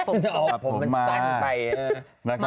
ตัดผมมาตัดผมมันสั้นไป